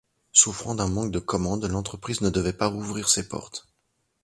Souffrant d’un manque de commandes, l’entreprise ne devait pas rouvrir ses portes.